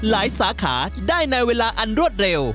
สาขาได้ในเวลาอันรวดเร็ว